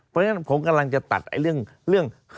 เพราะฉะนั้นผมกำลังจะตัดเรื่อง